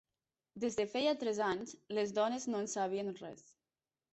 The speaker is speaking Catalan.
Des de feia tres anys, les dones no en sabien res.